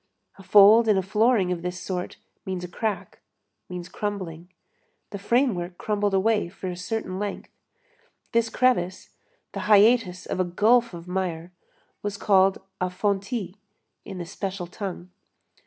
A fold in a flooring of this sort means a crack, means crumbling. The framework crumbled away for a certain length. This crevice, the hiatus of a gulf of mire, was called a fontis, in the special tongue.